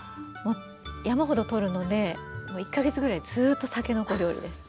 山ほど取るので１か月ぐらいずっとたけのこ料理です。